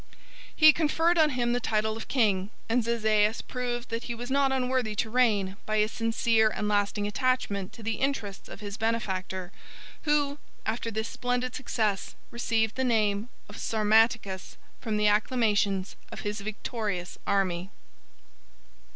He conferred on him the title of King; and Zizais proved that he was not unworthy to reign, by a sincere and lasting attachment to the interests of his benefactor, who, after this splendid success, received the name of Sarmaticus from the acclamations of his victorious army.